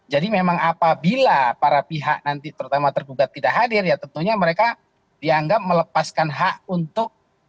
jadi memang apabila para pihak nanti terutama tergugat tidak hadir ya tentunya mereka dianggap melepaskan hak untuk